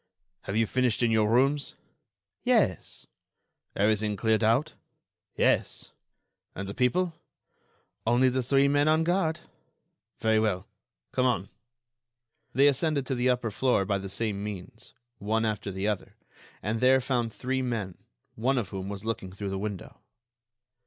"Have you finished in your rooms?" "Yes." "Everything cleared out?" "Yes." "And the people?" "Only the three men on guard." "Very well; come on." They ascended to the upper floor by the same means, one after the other, and there found three men, one of whom was looking through the window.